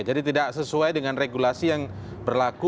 jadi tidak sesuai dengan regulasi yang berlaku